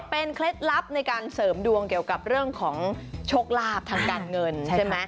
เป็นเคล็ดลับในการเสริมดวงเกี่ยวกับเรื่องของโชคลาภทางการเงินใช่ไหม